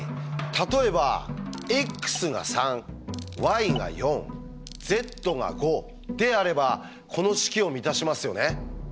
例えば「ｘが３ｙが４ｚが５」であればこの式を満たしますよね。